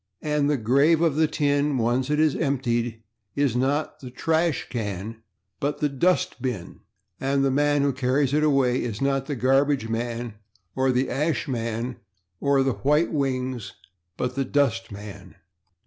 And the grave of the tin, once it is emptied, is not the /ash can/, but the /dust bin/, and the man who carries it away is not the /garbage man/ or the /ash man/ or the /white wings/, but the /dustman